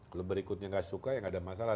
kalau berikutnya gak suka ya gak ada masalah